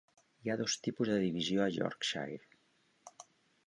Hi ha dos tipus de divisió a Yorkshire.